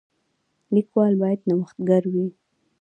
لیکوال باید نوښتګر وي.